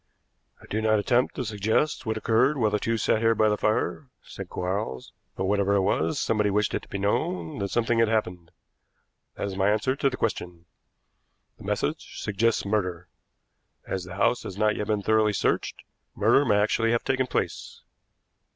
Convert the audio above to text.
"I do not attempt to suggest what occurred while the two sat here by the fire," said Quarles, "but whatever it was, somebody wished it to be known that something had happened. That is my answer to the question. The message suggests murder. As the house has not yet been thoroughly searched, murder may actually have taken place."